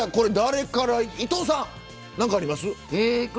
伊藤さん、何かあります。